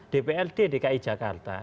dprd dki jakarta